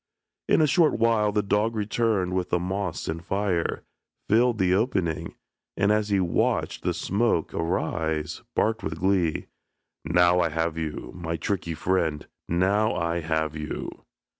In a short while the dog returned with the moss and fire, filled the opening, and, as he watched the smoke arise, barked with glee, "Now I have you, my tricky friend, now I have you."